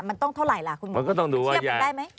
มันต้องเท่าไหร่ล่ะคุณหมูเทียบกันได้ไหม